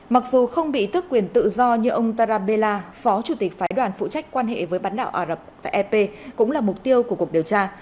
mặc dù không bị tức quyền tự do như ông tarabella phó chủ tịch phái đoàn phụ trách quan hệ với bán đảo ả rập tại ep cũng là mục tiêu của cuộc điều tra